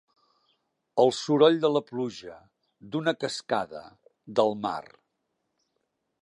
El soroll de la pluja, d'una cascada, del mar.